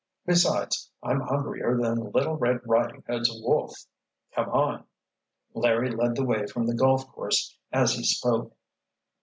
Besides, I'm hungrier than Little Red Riding Hood's wolf. Come on!" Larry led the way from the golf course as he spoke.